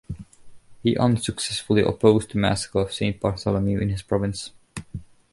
He unsuccessfully opposed the massacre of Saint Bartholomew in his province.